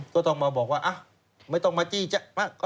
ก็ต้องมาบอกว่าไม่ต้องมาจี้แจ๊ะ